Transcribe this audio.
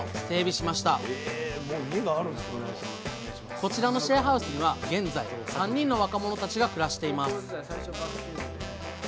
こちらのシェアハウスには現在３人の若者たちが暮らしています